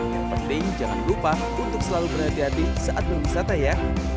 yang penting jangan lupa untuk selalu berhati hati saat berwisata ya